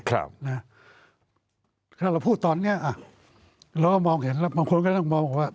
ถ้าเราพูดตอนเนี้ยเราก็มองเห็นแล้วบางคนก็ต้องมองบอกว่า